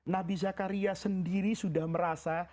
nabi zakaria sendiri sudah merasa